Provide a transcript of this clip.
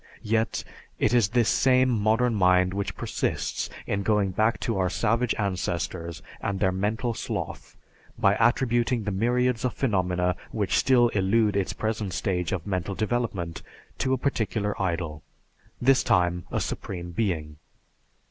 Yet, it is this same modern mind which persists in going back to our savage ancestors and their mental sloth, by attributing the myriads of phenomena which still elude its present stage of mental development, to a particular idol, this time, a Supreme Being.